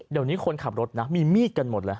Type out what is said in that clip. เดี๋ยวนี้คนขับรถนะมีมีดกันหมดเลย